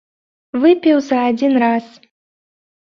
Выпіў за адзін раз.